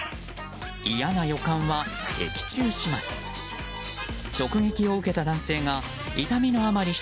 嫌な予感は的中します。